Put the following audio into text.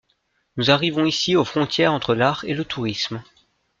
Nous arrivons ici aux frontières entre l'art et le tourisme.